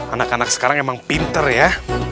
anak anak sekarang emang pinter ya